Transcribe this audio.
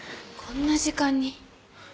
こんな時間に。